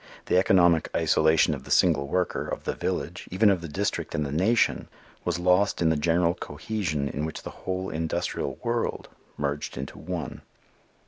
The economic isolation of the single worker, of the village, even of the district and the nation, was lost in the general cohesion in which the whole industrial world merged into one.